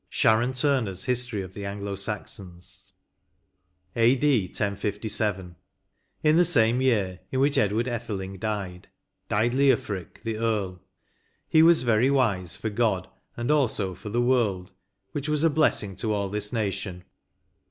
— Sharon Turners ^\History of the Anglo Saocons" "A.D. 1057. In the same year (in which Edward Etheling died) died Leofric, the Earl; he was very wise for God and also for the world, which was a blessing to all this nation.